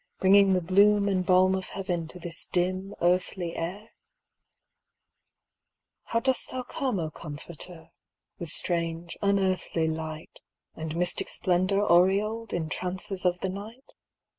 Bringing the bloom and balm of heaven To this dim, earthly air ? How dost thou come, O Comforter ? With strange, unearthly light, And mystic splendor aureoled, In trances of the night